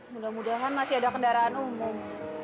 mudah mudahan masih ada kendaraan umum